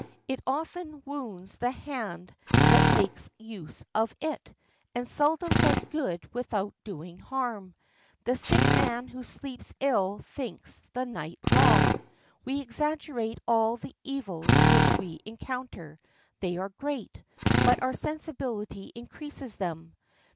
It often wounds the hand that makes use of it, and seldom does good without doing harm. The sick man who sleeps ill thinks the night long. We exaggerate all the evils which we encounter; they are great, but our sensibility increases them.